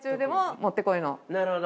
なるほど。